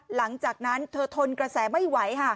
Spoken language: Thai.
หลังจากนั้นเธอทนกระแสไม่ไหวค่ะ